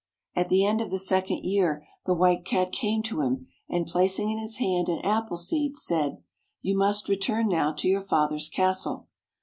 At the end of the second year, the White Cat came to him, and placing in his hand an apple seed, said, "You must return now to your father's castle.